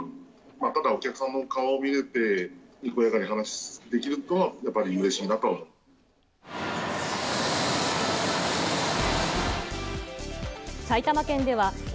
ただ、お客さんの顔を見れて、にこやかに話しできることはやっぱりうれしいなとは思う。